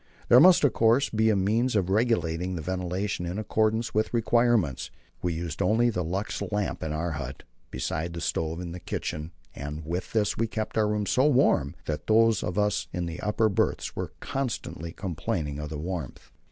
There must, of course, be a means of regulating the ventilation in accordance with requirements. We used only the Lux lamp in our hut, besides the stove in the kitchen, and with this we kept our room so warm that those of us in the upper berths were constantly complaining of the warmth.